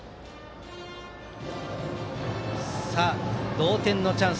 同点のチャンス